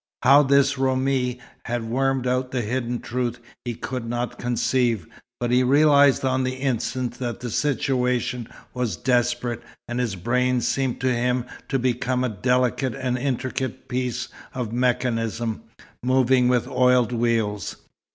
How this Roumi had wormed out the hidden truth he could not conceive; but he realized on the instant that the situation was desperate, and his brain seemed to him to become a delicate and intricate piece of mechanism, moving with oiled wheels.